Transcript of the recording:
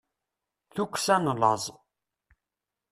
tukksa n laẓ